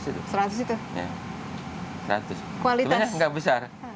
sebenarnya enggak besar